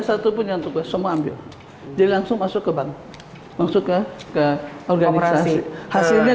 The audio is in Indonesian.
satupun yang tuker semua ambil dia langsung masuk ke bank masuk ke ke organikasi hasilnya